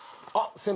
先輩。